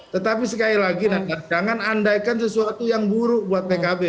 tetapi sekali lagi jangan andaikan sesuatu yang buruk buat pkb